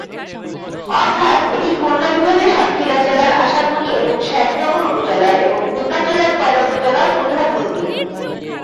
অর্থাৎ এটি খুলনা বিভাগের সাতক্ষীরা জেলার আশাশুনি এবং শ্যামনগর উপজেলার এবং খুলনা জেলার কয়রা উপজেলার প্রধান নদী।